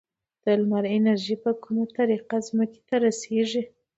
د لمر انرژي په کومه طریقه ځمکې ته رسیږي؟